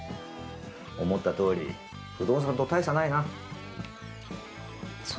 思ったとおり、不動産と大差ないな。